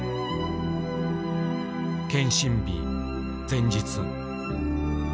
検診日前日。